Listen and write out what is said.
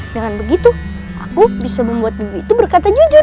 jangan begitu aku bisa membuat ibu itu berkata jujur